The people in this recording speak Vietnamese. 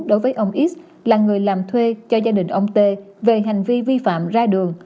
đối với ông is là người làm thuê cho gia đình ông tê về hành vi vi phạm ra đường